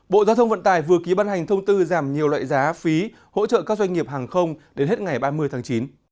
bộ giao thông vận tải vừa ký ban hành thông tư giảm nhiều loại giá phí hỗ trợ các doanh nghiệp hàng không đến hết ngày ba mươi tháng chín